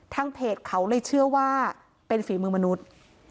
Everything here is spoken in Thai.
เพจเขาเลยเชื่อว่าเป็นฝีมือมนุษย์